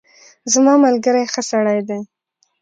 زما ملګری ښه سړی دی.